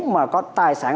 mà có tài sản